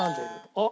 あっ！